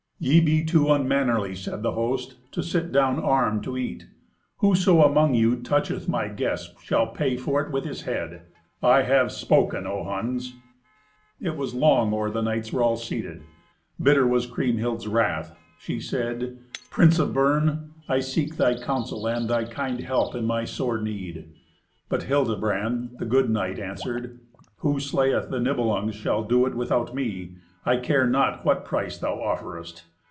"Ye be too unmannerly," said the host, "to sit down armed to eat. Whoso among you toucheth my guests shall pay for it with his head. I have spoken, O Huns." It was long or the knights were all seated. Bitter was Kriemhild's wrath. She said, "Prince of Bern, I seek thy counsel and thy kind help in my sore need." But Hildebrand, the good knight, answered, "Who slayeth the Nibelungs shall do it without me; I care not what price thou offerest.